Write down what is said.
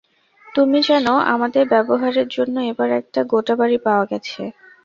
তুমি জেন, আমাদের ব্যবহারের জন্য এবার একটা গোটা বাড়ী পাওয়া গেছে।